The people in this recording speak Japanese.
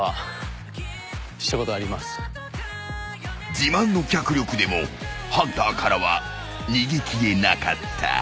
［自慢の脚力でもハンターからは逃げ切れなかった］